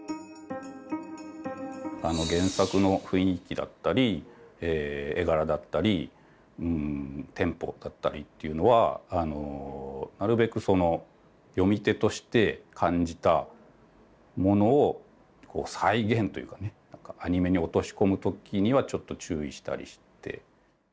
あの原作の雰囲気だったり絵柄だったりテンポだったりっていうのはなるべくその読み手として感じたものを再現というかねアニメに落とし込むときにはちょっと注意したりして。